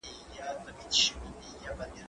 زه اوس پاکوالي ساتم؟